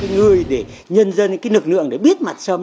người để nhân dân cái lực lượng để biết mặt sâm